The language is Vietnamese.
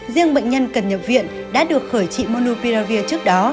riêng bệnh nhân cần nhập viện đã được khởi trị monupiravir trước đó